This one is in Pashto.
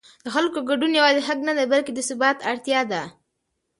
د خلکو ګډون یوازې حق نه دی بلکې د ثبات اړتیا ده